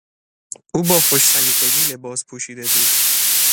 او با خوش سلیقگی لباس پوشیده بود.